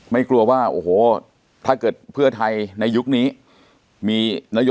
กลัวว่าโอ้โหถ้าเกิดเพื่อไทยในยุคนี้มีนโย